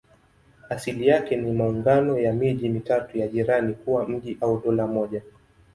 Asili yake ni maungano ya miji mitatu ya jirani kuwa mji au dola moja.